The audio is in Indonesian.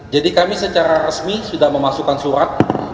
jadi kami secara resmi sudah memasukkan surat